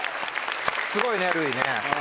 すごいねるうい。